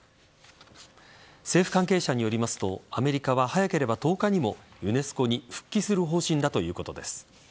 政府関係者によりますとアメリカは早ければ１０日にもユネスコに復帰する方針だということです。